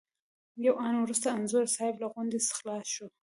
یو آن وروسته انځور صاحب له غونډې خلاص شو.